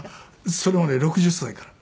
それもね６０歳から。